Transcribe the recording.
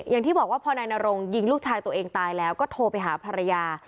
อย่างที่บอกว่าพอนายนรงยิงลูกชายตัวเองตายแล้วก็โทรไปหาภรรยา